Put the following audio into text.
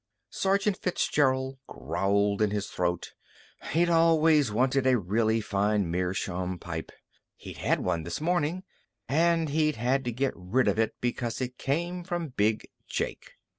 Sergeant Fitzgerald growled in his throat. He'd always wanted a really fine meerschaum pipe. He'd had one this morning, and he'd had to get rid of it because it came from Big Jake.